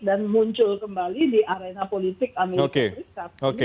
dan muncul kembali di arena politik amerika serikat